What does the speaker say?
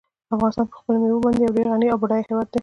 افغانستان په خپلو مېوو باندې یو ډېر غني او بډای هېواد دی.